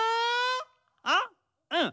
あっうん。